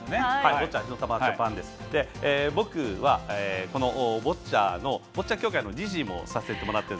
僕は、このボッチャ協会の理事もさせてもらっていて。